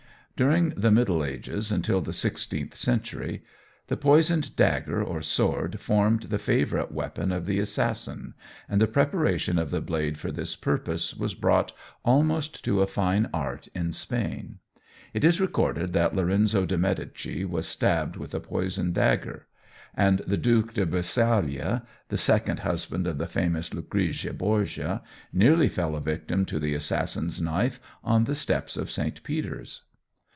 During the Middle Ages until the sixteenth century, the poisoned dagger or sword formed the favourite weapon of the assassin, and the preparation of the blade for this purpose was brought almost to a fine art in Spain. It is recorded that Lorenzo de Medici was stabbed with a poisoned dagger; and the Duke de Biscaglia, the second husband of the famous Lucrezia Borgia, nearly fell a victim to the assassin's knife on the steps of St. Peter's.